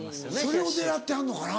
それを狙ってはんのかな？